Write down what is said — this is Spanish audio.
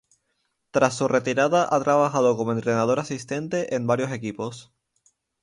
Tras su retirada ha trabajado como entrenador asistente en varios equipos.